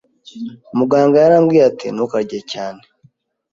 Muganga yarambwiye ati: "Ntukarye cyane."